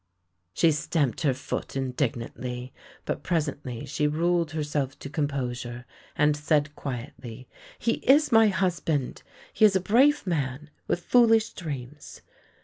" She stamped her foot indignantly, but presently she ruled herself to composure and said quietly: " He is my husband. He is a brave man, with foolish dreams."